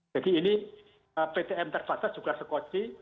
jadi ini ptm terbatas juga sekoci